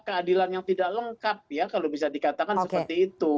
keadilan yang tidak lengkap ya kalau bisa dikatakan seperti itu